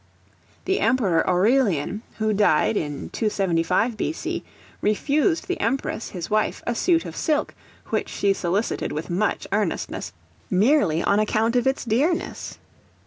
The Emperor Aurelian, who died in 275, B.C. refused the Empress, his wife, a suit of silk which she solicited with much earnestness, merely on account of its dearness.